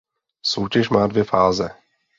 Soutěž má dvě fáze.